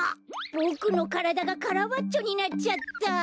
ボクのからだがカラバッチョになっちゃった。